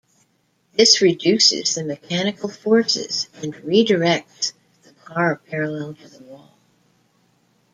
This reduces the mechanical forces and redirects the car parallel to the wall.